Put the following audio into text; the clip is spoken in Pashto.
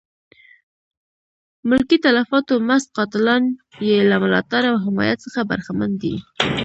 ملکي تلفاتو مست قاتلان یې له ملاتړ او حمایت څخه برخمن دي.